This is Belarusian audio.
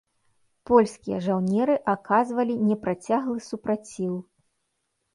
Польскія жаўнеры аказвалі непрацяглы супраціў.